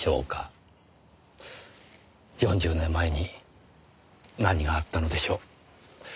４０年前に何があったのでしょう？